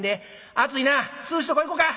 『暑いな』『涼しいとこ行こか』